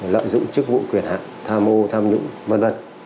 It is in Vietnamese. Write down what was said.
lợi dụng chức vụ quyền hạng tham mô tham nhũng v v